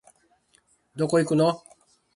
どこ行くのお